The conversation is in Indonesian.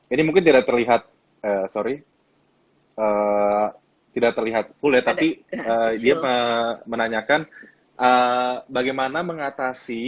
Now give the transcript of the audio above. ini mungkin tidak terlihat sorry tidak terlihat full ya tapi dia menanyakan bagaimana mengatasi